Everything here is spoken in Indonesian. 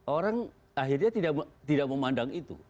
orang akhirnya tidak memandang itu